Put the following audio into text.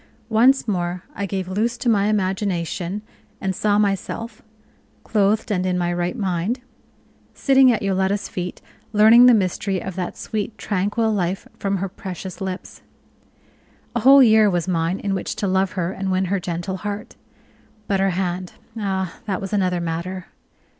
Once more I gave loose to my imagination, and saw myself (clothed and in my right mind) sitting at Yoletta's feet, learning the mystery of that sweet, tranquil life from her precious lips. A whole year was mine in which to love her and win her gentle heart. But her hand ah, that was another matter.